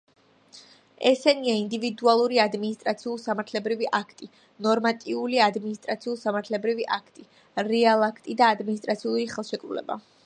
ესენია: ინდივიდუალური ადმინისტრაციულ-სამართლებრივი აქტი, ნორმატიული ადმინისტრაციულ-სამართლებრივი აქტი, რეალაქტი და ადმინისტრაციული ხელშეკრულება.